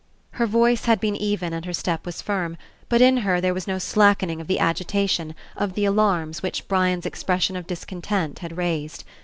Her voice had been even and her step was firm, but in her there was no slackening of the agitation, of the alarms, which Brian's ex pression of discontent had raised.